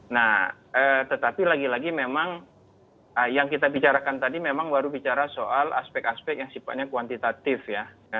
nah tetapi lagi lagi memang yang kita bicarakan tadi memang baru bicara soal aspek aspek yang sifatnya kuantitatif ya